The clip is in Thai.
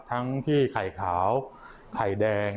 ทั้งที่ไข่ขาวไข่แดง